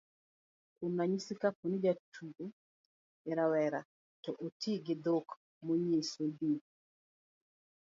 kuom ranyisi, kapo ni jatuko en rawera, to oti gi dhok manyiso ni